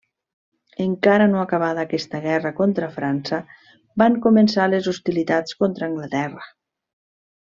Encara no acabada aquesta guerra contra França, van començar les hostilitats contra Anglaterra.